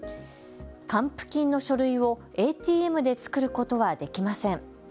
還付金の書類をＡＴＭで作ることはできません。